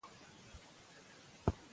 زه د ځان باور زیاتوم.